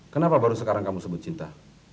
kenapa baru sekarang kamu sebut cinta